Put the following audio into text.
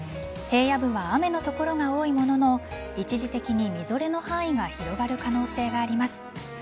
平野部は、雨の所が多いものの一時的にみぞれの範囲が広がる可能性があります。